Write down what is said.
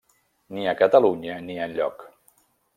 Ni a Catalunya ni enlloc.